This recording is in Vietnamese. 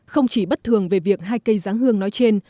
không chỉ bất thường về việc hai cây giáng hương nói trên